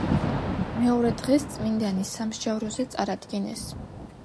მეორე დღეს წმინდანი სამსჯავროზე წარადგინეს.